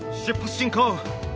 進行